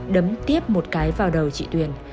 đấm tiếp một cái vào đầu chị tuyền